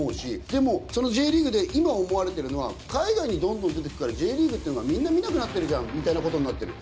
でもそのＪリーグで今思われてるのは海外にどんどん出てくからＪリーグをみんな見なくなってるじゃんみたいなことになってる。